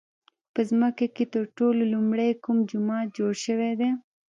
په ځمکه کې تر ټولو لومړی کوم جومات جوړ شوی دی؟